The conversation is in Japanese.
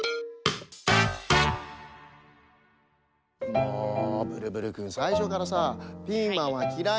もうブルブルくんさいしょからさピーマンはきらいなんです